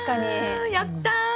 やった！